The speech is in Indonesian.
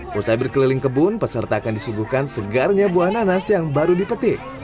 setelah berkeliling kebun peserta akan disuguhkan segarnya buah nanas yang baru dipetik